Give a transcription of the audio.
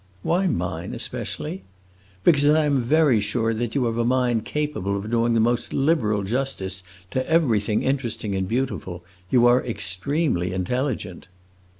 "Why mine especially?" "Because I am very sure that you have a mind capable of doing the most liberal justice to everything interesting and beautiful. You are extremely intelligent."